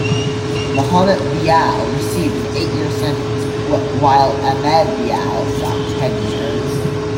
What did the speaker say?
Muhammad Bilal received an eight-year sentence, while Ahmed Bilal got ten years.